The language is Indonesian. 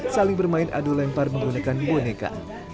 saling bermain adu lempar menggunakan boneka